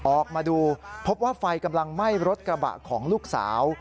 ออกมาดูพบว่าไฟกำลังไหม้รถกระบะของลูกสาว